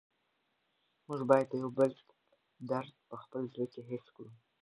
موږ باید د یو بل درد په خپل زړه کې حس کړو.